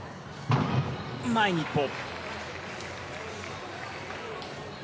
前に１歩。